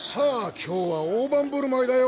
今日は大盤ぶるまいだよ！